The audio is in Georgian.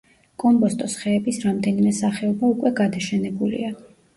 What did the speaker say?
კომბოსტოს ხეების რამდენიმე სახეობა უკვე გადაშენებულია.